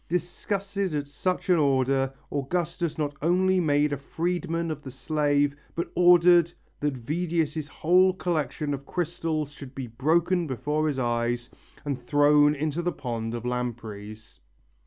Disgusted at such an order, Augustus not only made a freedman of the slave but ordered that Vedius' whole collection of crystals should be broken before his eyes and thrown into the pond of lampreys.